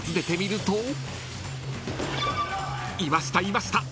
［いました！